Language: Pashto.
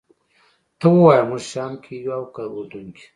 ته ووایه موږ شام کې یو او که اردن کې.